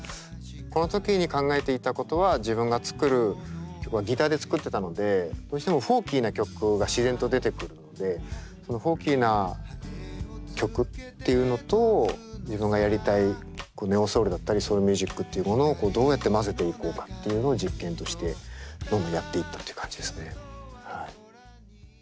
この時に考えていたことは自分が作る曲はギターで作ってたのでどうしてもフォーキーな曲が自然と出てくるのでそのフォーキーな曲っていうのと自分がやりたいネオソウルだったりソウルミュージックっていうものをどうやって混ぜていこうかっていうのを実験としてどんどんやっていったっていう感じですね。